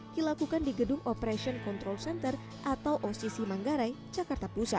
dilakukan di gedung operation control center atau occ manggarai jakarta pusat